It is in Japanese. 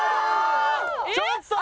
ちょっと！